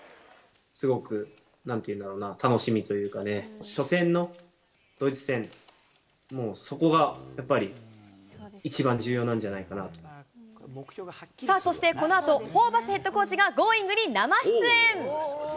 すごくなんていうんだろうな、楽しみというかね、初戦のドイツ戦、もうそこがやっぱり、さあ、そしてこのあと、ホーバスヘッドコーチがＧｏｉｎｇ！に生出演。